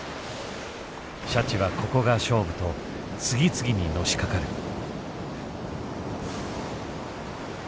シャチはここが勝負と次々にのしかかる。